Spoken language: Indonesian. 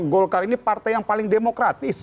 golkar ini partai yang paling demokratis